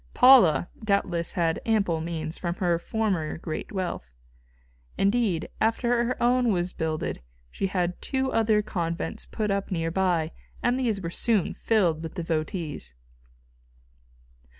Paula, doubtless, had ample means from her former great wealth. Indeed, after her own was builded she had two other convents put up near by, and these were soon filled with devotees.